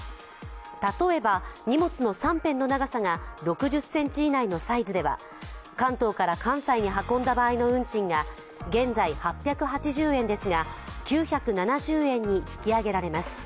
例えば、荷物の３辺の長さが６０ｃｍ以内のサイズでは関東から関西に運んだ場合の運賃が現在８８０円ですが、９７０円に引き上げられます。